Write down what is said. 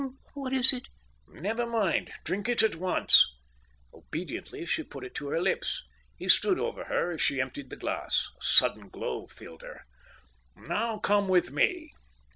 "What is it?" "Never mind! Drink it at once." Obediently she put it to her lips. He stood over her as she emptied the glass. A sudden glow filled her. "Now come with me."